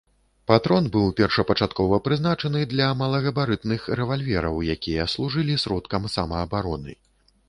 Патрон быў першапачаткова прызначаны для малагабарытных рэвальвераў, якія служылі сродкам самаабароны.